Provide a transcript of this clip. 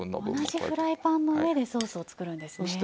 同じフライパンの上でソースを作るんですね。